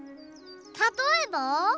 たとえば？